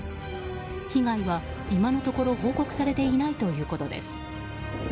被害は今のところ報告されていないということです。